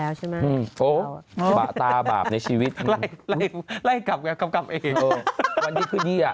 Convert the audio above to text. วันนี้พี่ดี